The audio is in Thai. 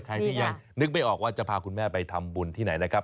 ใครที่ยังนึกไม่ออกว่าจะพาคุณแม่ไปทำบุญที่ไหนนะครับ